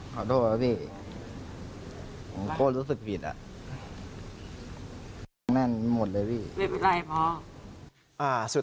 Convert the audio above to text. ขอโทษแล้วสิ